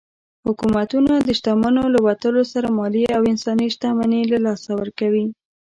حکومتونه د شتمنو له وتلو سره مالي او انساني شتمني له لاسه ورکوي.